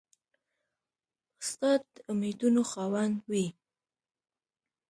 استاد د امیدونو خاوند وي.